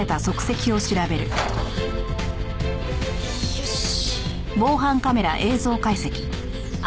よし。